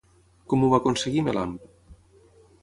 Com ho va aconseguir Melamp?